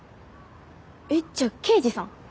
えっじゃあ刑事さん？